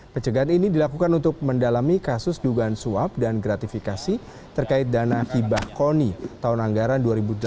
pencegahan ini dilakukan untuk mendalami kasus dugaan suap dan gratifikasi terkait dana hibah koni tahun anggaran dua ribu delapan belas